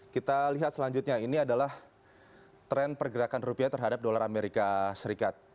kita lihat selanjutnya ini adalah tren pergerakan rupiah terhadap dolar amerika serikat